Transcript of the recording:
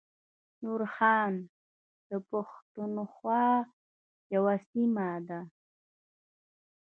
نوښار د پښتونخوا یوه سیمه ده